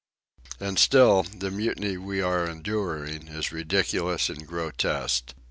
And still the mutiny we are enduring is ridiculous and grotesque.